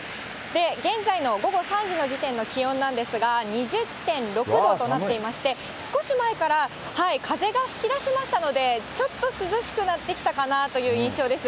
現在の午後３時の時点の気温なんですが、２０．６度となっていまして、少し前から風が吹きだしましたので、ちょっと涼しくなってきたかなという印象です。